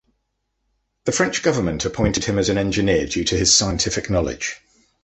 The French government appointed him as an engineer due to his scientific knowledge.